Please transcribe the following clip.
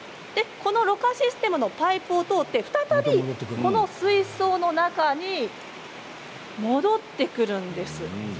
ろ過システムのパイプを通って再び、この水槽の中に戻ってくるんです。